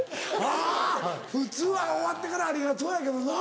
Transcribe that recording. あぁ普通は終わってから「ありがとう」やけどな。